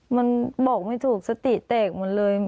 มันบอกไม่ถูกสติแตกหมดเลย